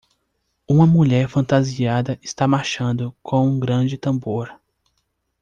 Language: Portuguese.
Uma mulher fantasiada está marchando com um grande tambor.